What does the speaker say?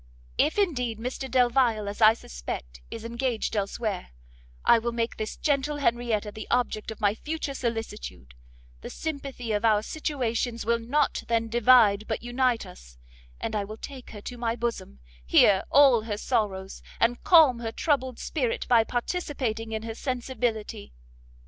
If, indeed, Mr Delvile, as I suspect, is engaged elsewhere, I will make this gentle Henrietta the object of my future solicitude; the sympathy of our situations will not then divide but unite us, and I will take her to my bosom, hear all her sorrows, and calm her troubled spirit by participating in her sensibility.